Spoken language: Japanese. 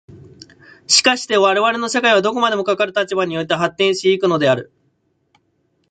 しかして我々の社会はどこまでもかかる立場において発展し行くのである。